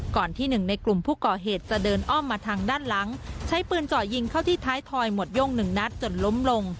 ที่หนึ่งในกลุ่มผู้ก่อเหตุจะเดินอ้อมมาทางด้านหลังใช้ปืนเจาะยิงเข้าที่ท้ายทอยหมวดโย่งหนึ่งนัดจนล้มลง